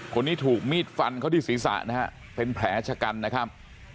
คนนี้ถูกมีดฟันเขาที่ศีรษะนะฮะเป็นแผลชะกันนะครับ